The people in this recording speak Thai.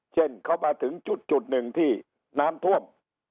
เข้ามาถึงจุดหนึ่งที่น้ำท่วม